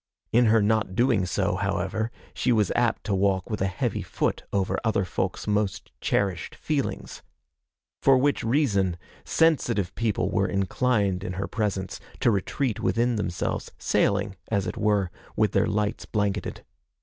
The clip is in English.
In her not doing so, however, she was apt to walk with a heavy foot over other folks' most cherished feelings. For which reason, sensitive people were inclined in her presence to retreat within themselves, sailing, as it were, with their lights blanketed.